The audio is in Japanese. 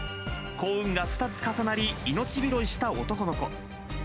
幸運が２つ重なり、命拾いした男の子。